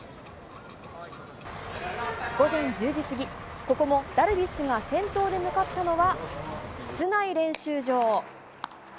午前１０時過ぎ、ここもダルビッシュが先頭で向かったのは室内練習場。